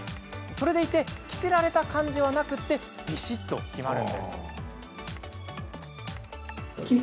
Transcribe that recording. それでいて着せられた感じはなくびしっと決まるんです。